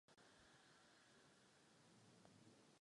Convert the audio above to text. Jeho funkcí je vyznačení pauzy.